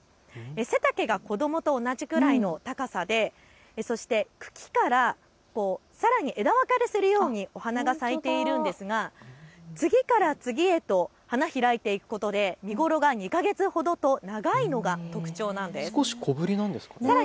背丈が子どもと同じくらいの高さでそして茎からさらに枝分かれするようにお花が咲いているんですが次から次へと花開いていくことで見頃が２か月ほどと長いのが特徴なんです。